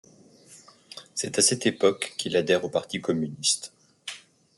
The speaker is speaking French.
C'est à cette époque qu'il adhère au Parti communiste.